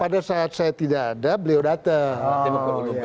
pada saat saya tidak ada beliau datang